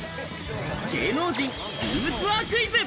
芸能人ルームツアークイズ！